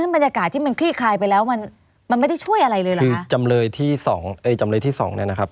ไม่มีคือจำเลยที่๒นะครับ